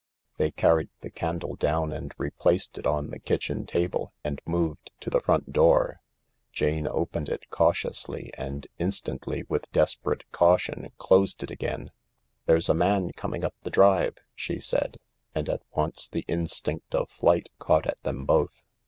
They carried the candle down and replaced it on the kitchen table and moved to the front door. Jane opened it cautiously, and instantly, with desperate caution, closed it again. " There's a man coming up the drive !" she said, and at once the instinct of flight caught at them both.